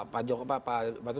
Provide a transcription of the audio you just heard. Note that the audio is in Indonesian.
pak joko pak batu